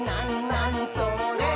なにそれ？」